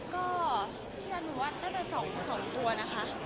ก็พี่กัลหลวะน่าจะ๒ตัวนะคะ